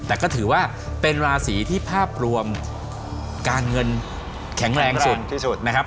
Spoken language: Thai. แต่ก็ถือว่าเป็นราศีที่ภาพรวมการเงินแข็งแรงสุดที่สุดนะครับ